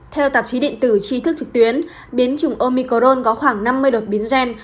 theo tạp chí điện tử tri thức trực tuyến biến chủng omicron có khoảng năm mươi đột biến gen